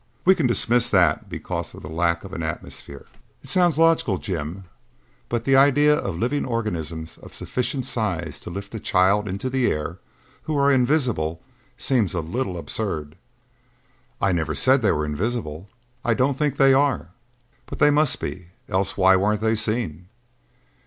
"We can dismiss that because of the lack of an atmosphere." "It sounds logical, Jim, but the idea of living organisms of sufficient size to lift a child into the air who are invisible seems a little absurd." "I never said they were invisible. I don't think they are." "But they must be, else why weren't they seen?"